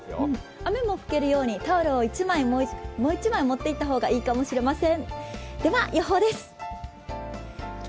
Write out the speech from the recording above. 雨も拭けるように、タオルをもう１枚持っていった方がいいかもしれません。